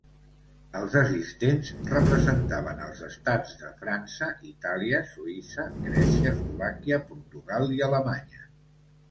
Els assistents representaven els estats de França, Itàlia, Suïssa, Grècia, Eslovàquia, Portugal i Alemanya.